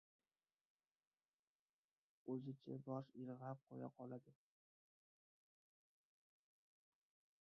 O‘zicha bosh irg‘ab qo‘ya qoladi.